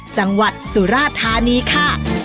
จังหวัดสุราธานีค่ะ